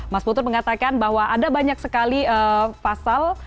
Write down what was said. mas putut mengatakan bahwa ada banyak sekali pasal